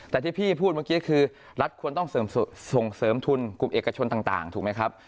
แต่ที่พี่พูดเมื่อกี้คือรัฐควรต้องส่งเสริมทุนกลุ่มเอกชนต่างถูกไหมครับ